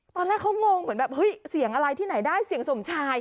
ตอนแรกเขางงเหมือนแบบเฮ้ยเสียงอะไรที่ไหนได้เสียงสมชาย